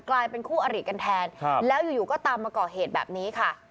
กลายเป็นคู่อริกันแทนแล้วอยู่ก็ตามมาก่อเหตุแบบนี้ค่ะ